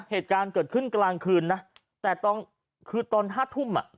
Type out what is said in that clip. เหตุการณ์เกิดขึ้นกลางคืนนะแต่ตอนคือตอนห้าทุ่มอ่ะ